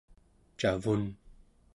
cavun